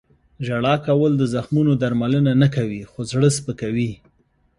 • ژړا کول د زخمونو درملنه نه کوي، خو زړه سپکوي.